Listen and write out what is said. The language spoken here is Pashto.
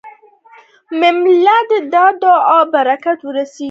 مېلمه ته د دعا برکت ورسېږه.